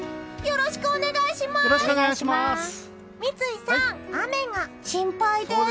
よろしくお願いします！